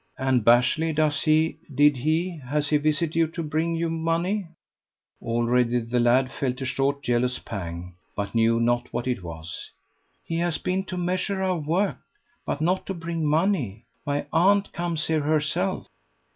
"And Bashley, does he did he has he visited you to bring you money?" Already the lad felt a short jealous pang, but knew not what it was. "He has been to measure our work, but not to bring money. My aunt comes here herself."